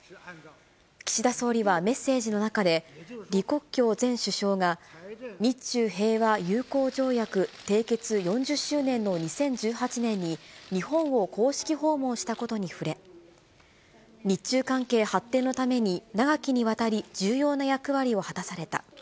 岸田総理はメッセージの中で、李克強前首相が、日中平和友好条約締結４０周年の２０１８年に日本を公式訪問したことに触れ、日中関係発展のために、長きにわたり重要な役割を果たされた。